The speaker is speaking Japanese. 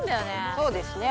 そうですね